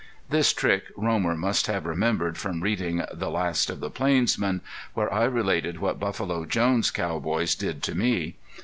This trick Romer must have remembered from reading "The Last of the Plainsmen," where I related what Buffalo Jones' cowboys did to me.